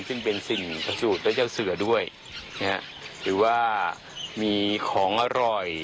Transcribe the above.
ซึ่งเป็นสิ่งสูตรเจ้าเสือด้วยหรือว่ามีของอร่อย